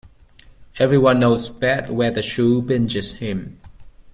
Every one knows best where the shoe pinches him.